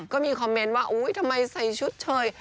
ก็มีคอมเมนต์ว่าอุ๊ยทำไมใส่ชุดเฉย